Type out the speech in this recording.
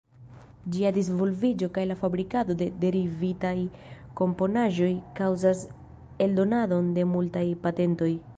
Ĝia disvolviĝo kaj la fabrikado de derivitaj komponaĵoj kaŭzas eldonadon de multaj patentoj.